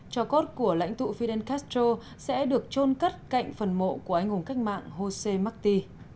cho cốt của lãnh tụ fidel castro sẽ được trôn cất cạnh phần mộ của anh hùng cách mạng jose marti